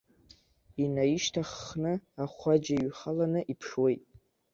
Инаишьҭаххны ахәаџа иҩхаланы иԥшуеит.